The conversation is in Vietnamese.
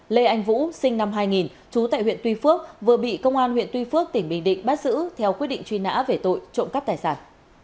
lê anh vũ sinh năm hai nghìn trú tại huyện tuy phước vừa bị công an huyện tuy phước tỉnh bình định bắt giữ theo quyết định truy nã về tội trộm cắp tài sản